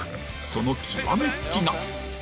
その極め付きが。